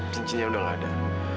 cincinnya udah nggak ada